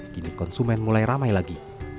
kini konsumen mulai ramai lagi